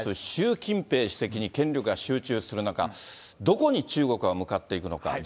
習近平主席に権力が集中する中、どこに中国は向かっていくのか。